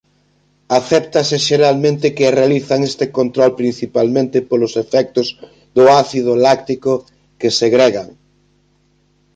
Acéptase xeralmente que realizan este control principalmente polos efectos do ácido láctico que segregan.